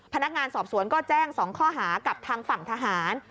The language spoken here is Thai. พนักงานสอบสวนก็แจ้ง๒ข้อหากับทางฝั่งทหาร